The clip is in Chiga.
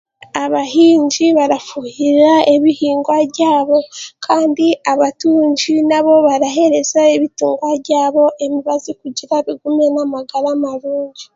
Abahingi barafuuhirira ebihingwa byabo kandi abatungi nabo barahereza ebitungwa byabo emibazi kugira ngu bigume n'amagara marungi.